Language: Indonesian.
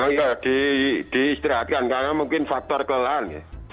iya diistirahatkan karena mungkin faktor kelelahan